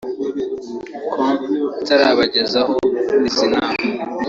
com itarabagezaho izi nama